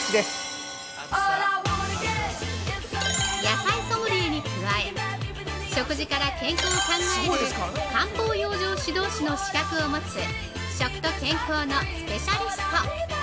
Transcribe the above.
◆野菜ソムリエに加え、食事から健康を考える漢方養生指導士の資格を持つ食と健康のスペシャリスト。